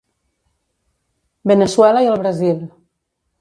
Veneçuela i el Brasil.